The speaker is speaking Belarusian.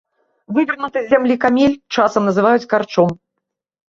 Вывернуты з зямлі камель часам называюць карчом.